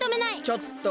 ちょっと！